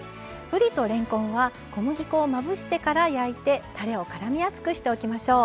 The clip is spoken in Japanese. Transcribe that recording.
ぶりとれんこんは小麦粉をまぶしてから焼いてたれを絡みやすくしておきましょう。